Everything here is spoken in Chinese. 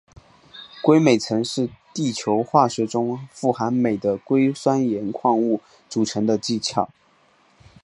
硅镁层是地球化学中指富含镁的硅酸盐矿物组成的地壳。